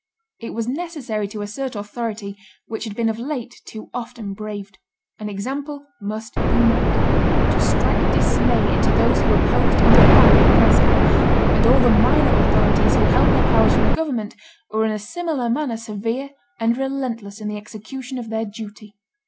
It was necessary to assert authority which had been of late too often braved. An example must be made, to strike dismay into those who opposed and defied the press gang; and all the minor authorities who held their powers from Government were in a similar manner severe and relentless in the execution of their duty.